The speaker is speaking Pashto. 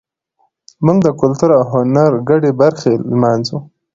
موږ د کلتور او هنر ګډې برخې لمانځو.